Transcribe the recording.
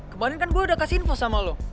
kemarin kan gue udah kasih info sama lo